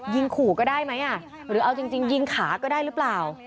ขู่ก็ได้ไหมหรือเอาจริงยิงขาก็ได้หรือเปล่า